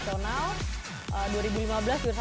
dua ribu lima belas jurnal satu nasional juga kan